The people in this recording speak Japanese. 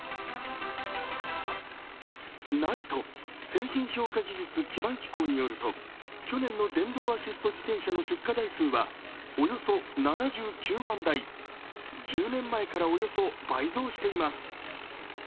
ＮＩＴＥ＝製品評価技術基盤機構によると、去年の電動アシスト自転車の出荷台数はおよそ７９万台１０年前からおよそ倍増しています。